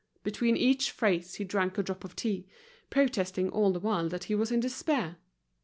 Between each phrase he drank a drop of tea, protesting all the while that he was in despair.